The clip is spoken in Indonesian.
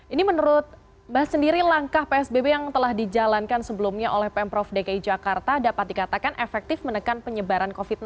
ini menurut mbak sendiri langkah psbb yang telah dijalankan sebelumnya oleh pemprov dki jakarta dapat dikatakan efektif menekan penyebaran covid sembilan belas